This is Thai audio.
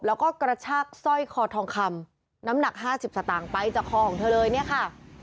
แล้วก็กระชากสร้อยคอทองคำน้ำหนัก๕๐สตางค์ไปจากคอของเธอเลยเนี่ยค่ะ